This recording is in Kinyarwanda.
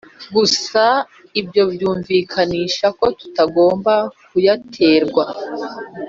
gusa Ibyo byumvikanisha ko tutagomba kuyaterwa